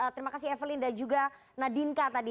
terima kasih evelyn dan juga nadinka tadi